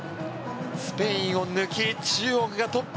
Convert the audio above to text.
スペインを抜き、中国がトップ。